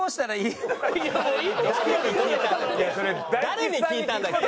誰に聞いたっけ？